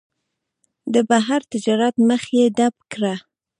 د بهر تجارت مخه یې ډپ کړه.